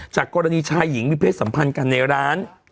กรณีชายหญิงมีเพศสัมพันธ์กันในร้าน